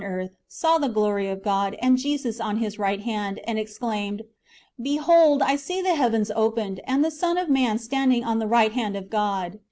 earth, saw the glory of God, and Jesus on His right hand, and exclaimed, " Behold, I see the heavens opened, and the Son of man standini]!; on the riodit hand of God."